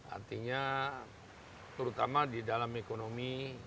artinya terutama di dalam ekonomi